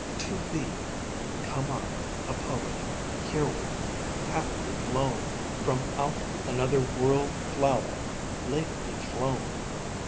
To thee Come I, a poet, hereward haply blown, From out another worldflower lately flown.